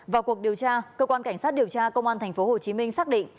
vào cuộc điều tra cơ quan cảnh sát điều tra công an tp hcm xác định